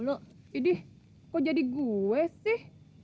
kok jadi gue sih